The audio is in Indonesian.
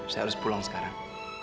saya harus pulang sekarang